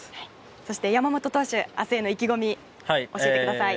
そして山本投手明日への意気込み教えてください。